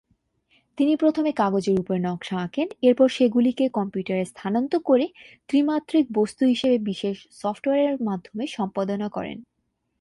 তিনি প্রথমে কাগজের উপরে নকশা আঁকেন, এরপর সেগুলিকে কম্পিউটারে স্থানান্তর করে ত্রিমাত্রিক বস্তু হিসেবে বিশেষ সফটওয়্যারের মাধ্যমে সম্পাদনা করেন।